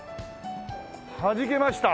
「はじけました」